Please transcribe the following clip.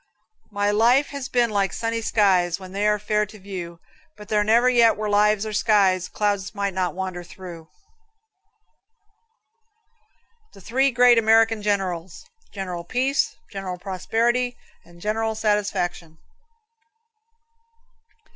My life has been like sunny skies When they are fair to view; But there never yet were lives or skies Clouds might not wander through. The Three Great American Generals. General Peace, General Prosperity and General Satisfaction.